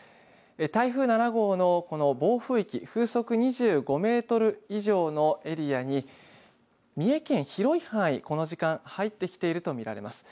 台風７号の暴風域、風速２５メートル以上のエリアに三重県、広い範囲この時間入ってきていると見られます。